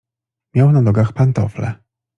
"Miał na nogach pantofle."